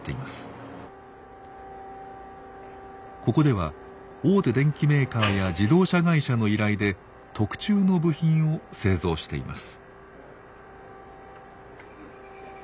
ここでは大手電機メーカーや自動車会社の依頼で特注の部品を製造しています。